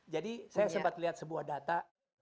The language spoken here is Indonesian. jadi saya sempat lihat sebuah data